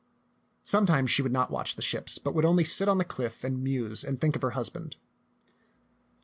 Sometimes she would not watch the ships, but would only sit on the cliff and muse and think of her hus band.